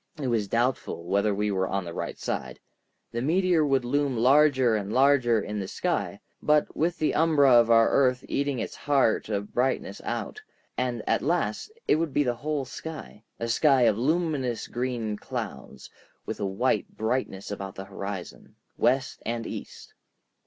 It was doubtful whether we were on the right side. The meteor would loom larger and larger in the sky, but with the umbra of our earth eating its heart of brightness out, and at last it would be the whole sky, a sky of luminous green clouds, with a white brightness about the horizon, west and east.